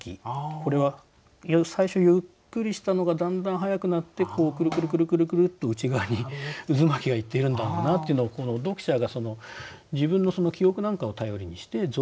これは最初ゆっくりしたのがだんだんはやくなってくるくるくるくるくるっと内側に渦巻きがいっているんだろうなっていうのを読者が自分の記憶なんかを頼りにして像を結ぶわけですよね。